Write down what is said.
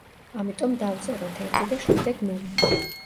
ამიტომ დავწეროთ ერთი და შემდეგ ნული.